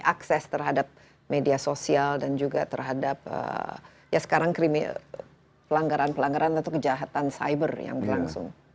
akses terhadap media sosial dan juga terhadap ya sekarang pelanggaran pelanggaran atau kejahatan cyber yang berlangsung